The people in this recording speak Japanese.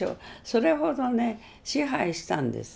それほどね支配したんです。